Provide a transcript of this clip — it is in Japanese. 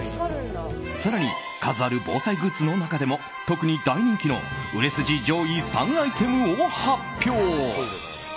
更に、数ある防災グッズの中でも特に大人気の売れ筋上位３アイテムを発表。